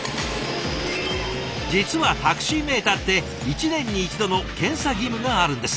実はタクシーメーターって１年に１度の検査義務があるんです。